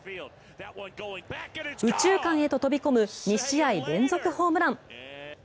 右中間へと飛び込む２試合連続ホームラン。